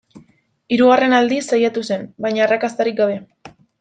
Hirugarren aldiz saiatu zen, baina arrakastarik gabe.